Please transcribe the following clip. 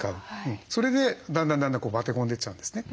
それでだんだんだんだんバテ込んでいっちゃうんですね。